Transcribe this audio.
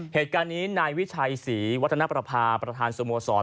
เหตุการณ์นี้นายวิชัยศรีวัฒนประพาประธานสโมสร